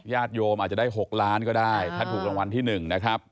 ญาติโยมอาจจะได้๖ล้านก็ได้ถ้าถูกรางวัลที่๑นะครับ